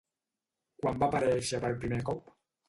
Quan va aparèixer per primer cop?